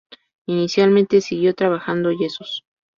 Inicialmente siguió trabajando yesos.